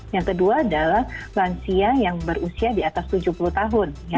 yang kedua adalah lansia yang berusia di atas tujuh puluh tahun